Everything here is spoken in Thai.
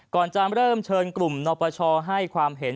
ก่อนจะเริ่มเชิญกลุ่มนปชให้ความเห็น